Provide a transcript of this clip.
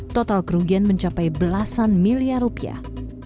total kerugian mencapai belasan miliar rupiah